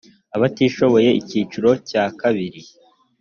abatishoboye icyiciro cya ii